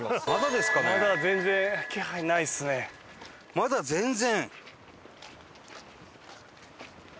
まだ全然。